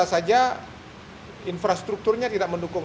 bisa saja infrastrukturnya tidak mendukung